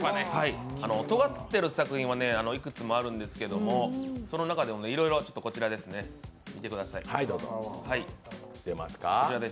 とがってる作品はいくつもあるんですけどもその中でもこちら見てください。